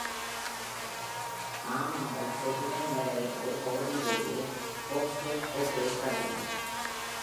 நார்மன்கள், செரிட்டன் மலையின் ஒரு பகுதியிலேயே ஃபோக்ஸ்டோன் கோட்டையைக் கட்டினர்.